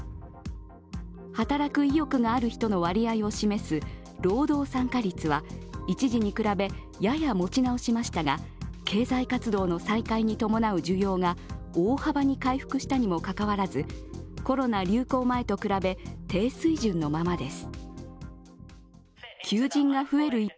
働く意欲がある人の割合を示す労働参加率は一時比べ、やや持ち直しましたが、経済活動の再開に伴う需要が大幅に回復したにもかかわらずコロナ流行前と比べ、低水準のままです。